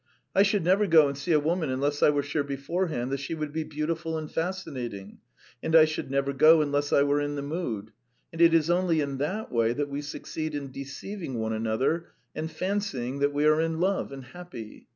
I should never go and see a woman unless I were sure beforehand that she would be beautiful and fascinating; and I should never go unless I were in the mood. And it is only in that way that we succeed in deceiving one another, and fancying that we are in love and happy.